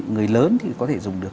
người lớn thì có thể dùng được